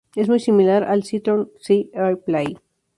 Es muy similar al Citroën C-Airplay.